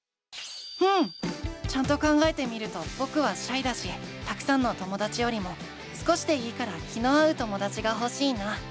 うん！ちゃんと考えてみるとぼくはシャイだしたくさんのともだちよりも少しでいいから気の合うともだちがほしいな。